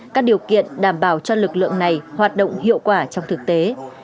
các điều kiện đảm bảo cho lực lượng này hoạt động hiệu quả trong thực tế